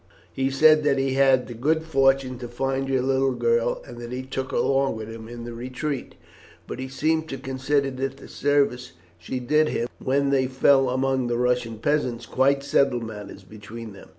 "He said that he had had the good fortune to find your little girl, and that he took her along with him in the retreat; but he seemed to consider that the service she did him when they fell among the Russian peasants quite settled matters between them.